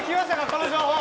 この情報。